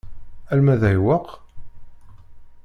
Alma d ayweq?